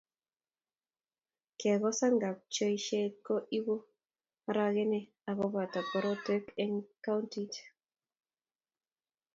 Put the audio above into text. Kekosan kapchoisye ko ibuu arogenee ak kobo korotwek eng kauntit.